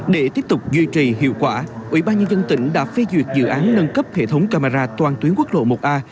để tiếp tục duy trì hiệu quả ủy ban nhân dân tỉnh đã phê duyệt dự án nâng cấp hệ thống camera toàn tuyến quốc lộ một a